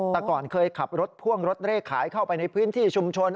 แต่ก่อนเคยขับรถพ่วงรถเลขขายเข้าไปในพื้นที่ชุมชน